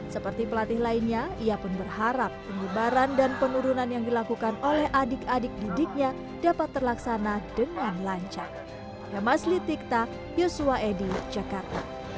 seperti pelatih lainnya ia pun berharap penyebaran dan penurunan yang dilakukan oleh adik adik didiknya dapat terlaksana dengan lancar